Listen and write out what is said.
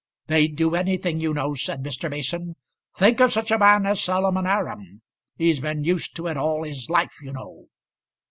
"They'd do anything, you know," said Mr. Mason. "Think of such a man as Solomon Aram! He's been used to it all his life, you know."